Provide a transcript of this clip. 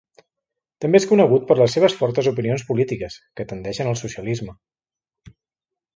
També és conegut per les seves fortes opinions polítiques, que tendeixen al socialisme.